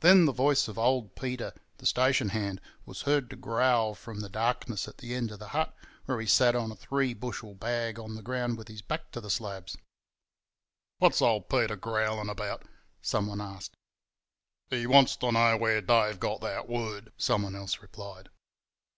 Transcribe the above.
Then the voice of old Peter, the station hand, was heard to growl from the darkness at the end of the hut, where he sat on a three bushel bag on the ground with his back to the slabs. "What's old Peter growlin' about?" someone asked. "He wants to know where Dave got that word," someone else replied.